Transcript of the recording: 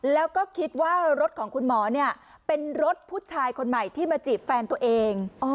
แล้วก็คิดว่ารถของคุณหมอเนี่ยเป็นรถผู้ชายคนใหม่ที่มาจีบแฟนตัวเอง